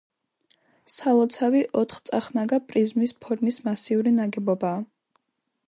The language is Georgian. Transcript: სალოცავი ოთხწახნაგა პრიზმის ფორმის მასიური ნაგებობაა.